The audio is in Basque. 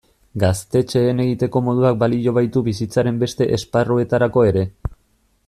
Gaztetxeen egiteko moduak balio baitu bizitzaren beste esparruetarako ere.